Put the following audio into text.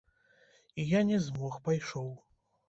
І я не змог, пайшоў.